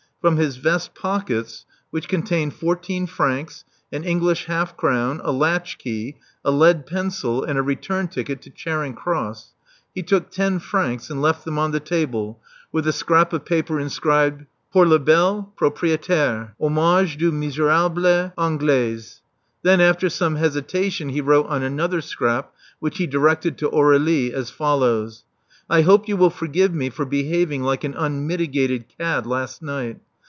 From his vest pockets, which con tained fourteen francs, an English halfcrown, a latchkey, a lead pencil, and a return ticket to Charing Cross, he took ten francs and left them on the table with a scrap of paper inscribed Pour la belle pro prietaire — Hommage du miserable Anglais." Then, after some hesitation, he wrote on another scrap, which he directed to Aurdlie, as follows: I hope you will forgive me for behaving like an unmitigated cad last night.